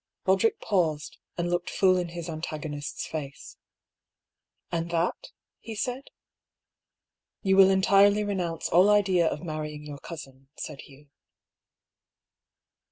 Boderick paused, and looked full in his antagonist's face. "And that?" he said. "You will entirely renounce all idea of marrying your cousin," said Hugh.